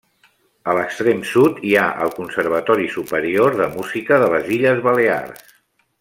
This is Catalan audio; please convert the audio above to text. A l'extrem sud hi ha el Conservatori Superior de Música de les Illes Balears.